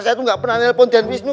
saya tuh gak pernah nepon den wisnu